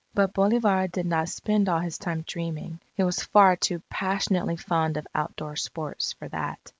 But Bolivar did not spend all his time dreaming, he was far too passionately fond of outdoor sports for that.